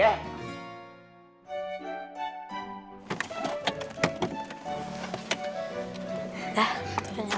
bang ini ya